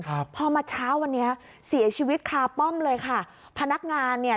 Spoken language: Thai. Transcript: ครับพอมาเช้าวันนี้เสียชีวิตคาป้อมเลยค่ะพนักงานเนี่ย